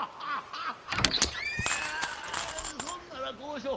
アアそんならこうしょう。